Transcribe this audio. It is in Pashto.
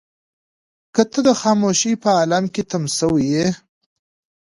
که ته د خاموشۍ په عالم کې تم شوې يې.